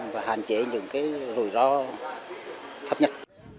và hạn chế những cái rủi ro thấp nhất